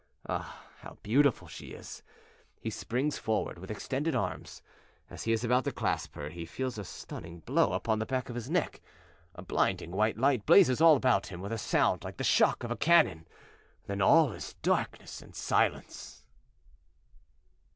Ah, how beautiful she is! He springs forward with extended arms. As he is about to clasp her he feels a stunning blow upon the back of the neck; a blinding white light blazes all about him with a sound like the shock of a cannon then all is darkness and silence!